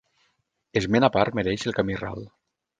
Esment a part mereix el Camí Ral.